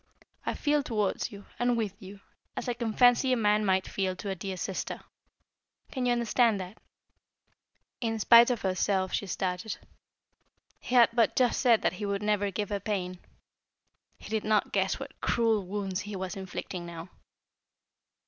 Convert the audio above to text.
I feel towards you, and with you, as I can fancy a man might feel to a dear sister. Can you understand that?" In spite of herself she started. He had but just said that he would never give her pain. He did not guess what cruel wounds he was inflicting now.